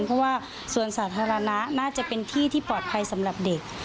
เพราะว่าสวนสาธารณะน่าจะเป็นที่ที่ปลอดภัยสำหรับเด็ก